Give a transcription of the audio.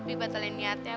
iya ini dia